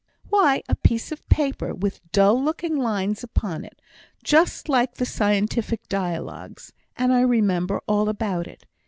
"Why, a piece of paper, with dull looking lines upon it, just like the scientific dialogues; and I remembered all about it.